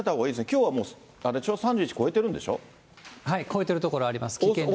きょうは３１、超えてる所あります、危険。